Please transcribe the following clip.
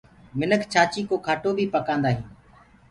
منک ڇآچيٚ ڪو کاٽو بيٚ پڪآندآ هينٚ۔